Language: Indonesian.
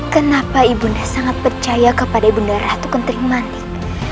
kenapa ibunya sangat percaya kepada ibunda ratu kentrim manik